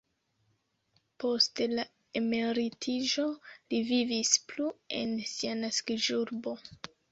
Post la emeritiĝo li vivis plu en sia naskiĝurbo.